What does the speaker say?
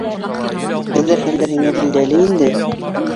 — Беҙҙең хәлдәр һиңә билдәле инде.